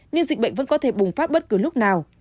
nhưng dịch bệnh vẫn có thể bùng phát bất cứ lúc nào